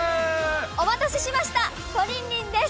お待たせしましたトリンリンです